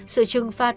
sự trừng phạt